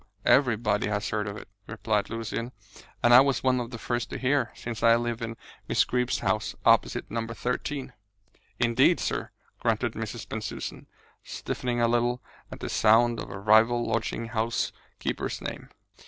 "Everybody has heard of it," replied Lucian, "and I was one of the first to hear, since I live in Miss Greeb's house, opposite No. 13." "Indeed, sir!" grunted Mrs. Bensusan, stiffening a little at the sound of a rival lodging house keeper's name.